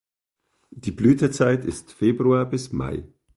Die Blütezeit ist Februar bis Mai.